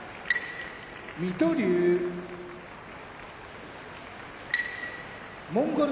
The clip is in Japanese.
水戸龍モンゴル